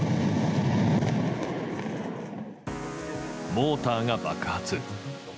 モーターが爆発。